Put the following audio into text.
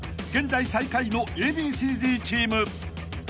［現在最下位のＡ．Ｂ．Ｃ−Ｚチーム］